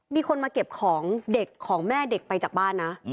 มีคนมาเก็บของเด็กของแม่เด็กไปจากบ้านนะ